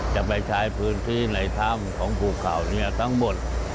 จะไปใช้พื้นที่ในถ้ำของภูเขาเนี่ยทั้งหมด